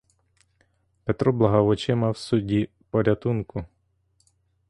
Петро благав очима в судді порятунку.